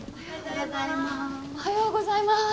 おはようございます。